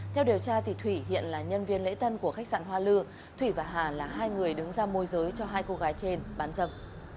theo điều tra thủy hiện là nhân viên lễ tân của khách sạn hoa lư thủy và hà là hai người đứng ra môi giới cho hai cô gái trên bán dâm